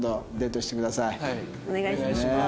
お願いします。